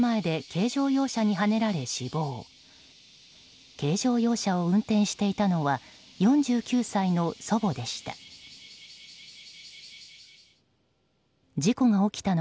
軽乗用車を運転していたのは４９歳の祖母でした。